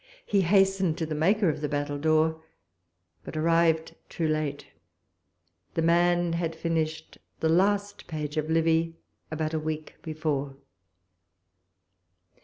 He hastened to the maker of the battledore but arrived too late! The man had finished the last page of Livy about a week before.